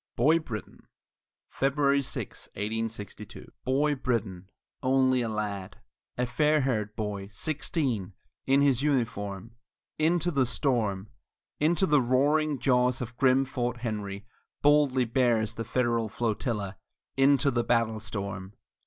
BOY BRITTAN [February 6, 1862] I Boy Brittan only a lad a fair haired boy sixteen, In his uniform, Into the storm into the roaring jaws of grim Fort Henry Boldly bears the Federal flotilla Into the battle storm!